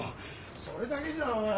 それだけじゃお前。